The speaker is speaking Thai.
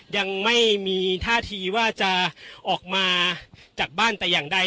ยังไม่มีท่าทีว่าจะออกมาจากบ้านแต่อย่างใด